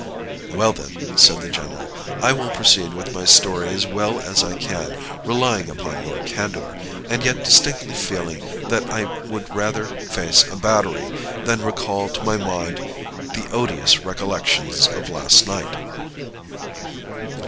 "Well, then," said the general, "I will proceed with my story as well as I can, relying upon your candor; and yet distinctly feeling that I would rather face a battery than recall to my mind the odious recollections of last night."